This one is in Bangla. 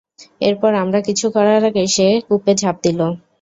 এরপর আমরা কিছু করার আগেই, সে কূপে ঝাঁপ দিল।